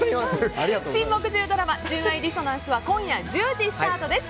新木１０ドラマ「純愛ディソナンス」は今夜１０時スタートです。